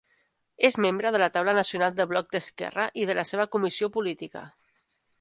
És membre de la taula nacional de Bloc d'Esquerra i de la seva comissió política.